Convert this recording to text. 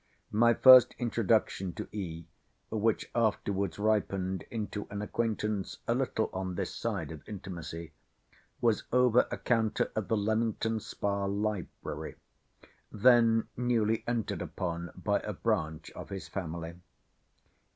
My first introduction to E., which afterwards ripened into an acquaintance a little on this side of intimacy, was over a counter of the Leamington Spa Library, then newly entered upon by a branch of his family.